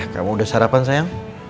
kamu sudah sarapan sayang